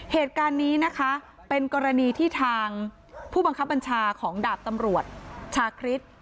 เหตุการณ์นี้นะคะเป็นกรณีที่ทางผู้บังคับบัญชาของดาบตำรวจชาคริส